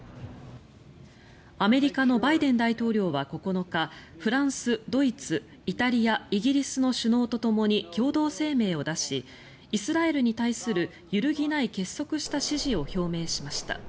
アメリカのバイデン大統領は９日フランス、ドイツ、イタリアイギリスの首脳とともに共同声明を出しイスラエルに対する揺るぎない結束した支持を表明しました。